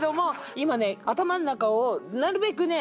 今ね頭の中をなるべくね